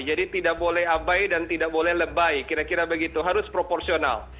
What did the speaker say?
jadi tidak boleh abai dan tidak boleh lebai kira kira begitu harus proporsional